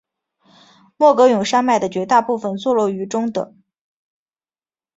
莫戈永山脉的绝大部分坐落于中的。